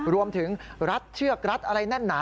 รวมถึงรัดเชือกรัดอะไรแน่นหนา